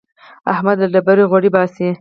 احمد له ډبرې غوړي باسي.